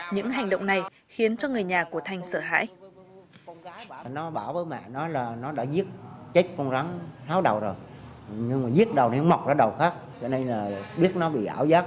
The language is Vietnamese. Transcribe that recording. những hành động này khiến cho người nhà của thành sợ hãi